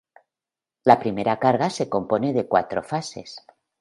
La primera carga se compone de cuatro fases.